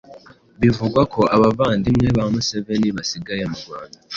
Bivugwa ko abavandimwe ba Museveni basigaye mu Rwanda